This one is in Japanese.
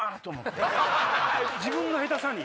自分の下手さに？